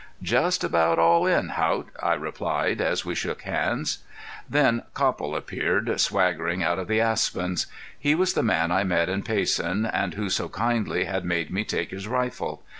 "Just about all in, Haught," I replied, as we shook hands. Then Copple appeared, swaggering out of the aspens. He was the man I met in Payson and who so kindly had made me take his rifle.